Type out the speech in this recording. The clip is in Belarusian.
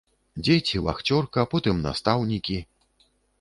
Дзеці, вахцёрка, потым настаўнікі.